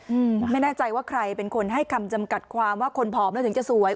อืมไม่แน่ใจว่าใครเป็นคนให้คำจำกัดความว่าคนผอมแล้วถึงจะสวย